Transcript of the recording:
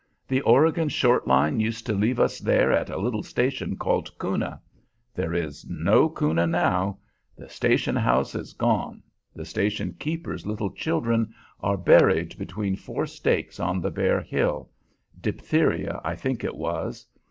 The Oregon Short Line used to leave us there at a little station called Kuna. There is no Kuna now; the station house is gone; the station keeper's little children are buried between four stakes on the bare hill diphtheria, I think it was.